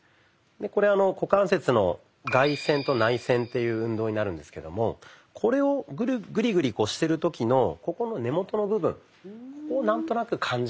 でこれ股関節の外旋と内旋という運動になるんですけどもこれをグリグリしてる時のここの根元の部分ここを何となく感じられますかね。